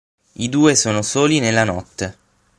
I due sono soli nella notte.